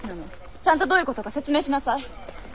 ちゃんとどういうことか説明しなさい。